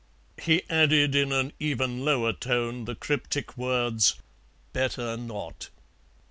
he added in an even lower tone the cryptic words, "Better not."